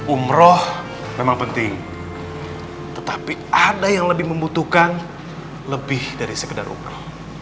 umroh memang penting tetapi ada yang lebih membutuhkan lebih dari sekedar umroh